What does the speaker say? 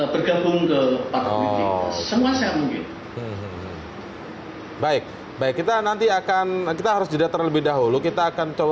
bergabung ke semua saya mungkin baik baik kita nanti akan kita harus jeda terlebih dahulu kita akan coba